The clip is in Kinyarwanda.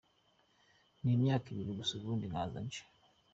N’imyaka ibiri gusa, ubundi nkaza nje.